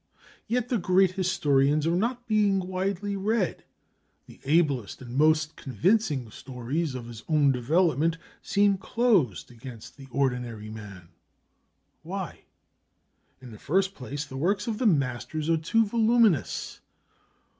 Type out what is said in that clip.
Yet the great historians are not being widely read. The ablest and most convincing stories of his own development seem closed against the ordinary man. Why? In the first place, the works of the masters are too voluminous.